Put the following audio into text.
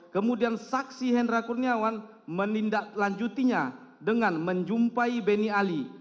kemudian saksi hendra kurniawan menindaklanjutinya dengan menjumpai benny ali